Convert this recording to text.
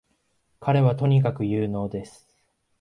彼はとにかく有能です